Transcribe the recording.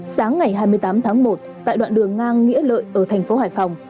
sáng ngày hai mươi tám tháng một tại đoạn đường ngang nghĩa lợi ở thành phố hải phòng